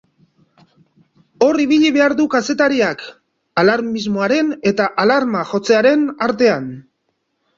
Hor ibili behar du kazetariak, alarmismoaren eta alarma jotzearen artean.